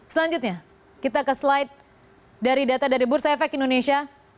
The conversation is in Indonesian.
selanjutnya kita ke slide dari data dari bursa efek indonesia